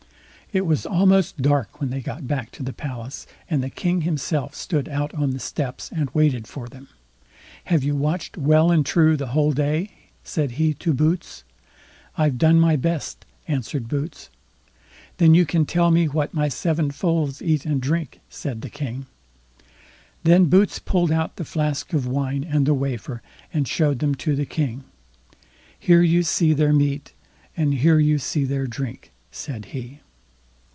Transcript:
It was almost dark when they got back to the palace, and the King himself stood out on the steps and waited for them. "Have you watched well and true the whole day?" said he to Boots. "I've done my best", answered Boots. "Then you can tell me what my seven foals eat and drink", said the King. Then Boots pulled out the flask of wine and the wafer, and showed them to the King. "Here you see their meat, and here you see their drink", said he.